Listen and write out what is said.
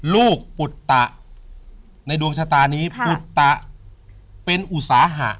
ลูกปุตตะในดวงชะตานี้ปุตตะเป็นอุตสาหะ